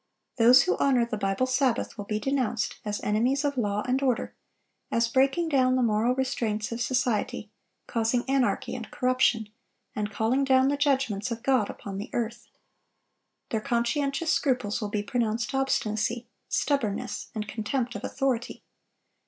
Those who honor the Bible Sabbath will be denounced as enemies of law and order, as breaking down the moral restraints of society, causing anarchy and corruption, and calling down the judgments of God upon the earth. Their conscientious scruples will be pronounced obstinacy, stubbornness, and contempt of authority.